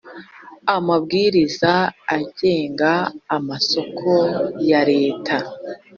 amabwiriza agenga amasoko ya leta